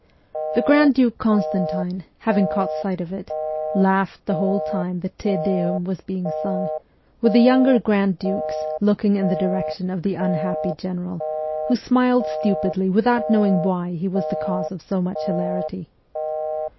The grand duke Constantine, having caught sight of it, laughed the whole time the Te Deum was being sung, with the younger grand dukes, looking in the direction of the unhappy general, who smiled stupidly without knowing why he was the cause of so much hilarity.